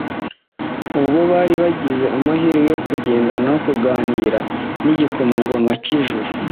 ubwo bari bagize amahirwe yo kugendana no kuganira n'igikomangoma cy'ijuru?